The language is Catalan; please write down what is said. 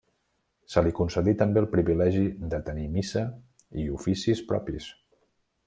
Se li concedí també el privilegi de tenir missa i oficis propis.